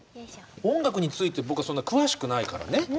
音楽について僕はそんな詳しくないからね。